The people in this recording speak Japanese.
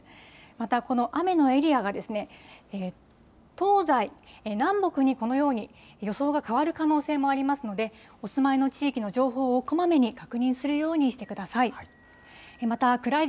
またこの雨のエリアが、東西、南北にこのように予想が変わる可能性もありますので、お住まいの地域の情報をこまめに確認するようにしてください。